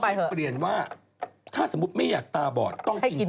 เขาเข้าเปลี่ยนว่าถ้าสมมุติไม่อยากตาบอดต้องกินปลา